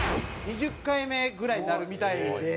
２０回目ぐらいになるみたいで。